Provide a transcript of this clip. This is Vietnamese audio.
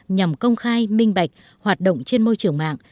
nhằm công khai minh bạch hoạt động trên môi trường mạng